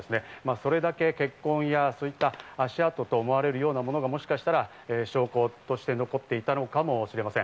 それだけ血痕やそういった足跡と思われるようなものが、もしかしたら証拠として残っていたのかもしれません。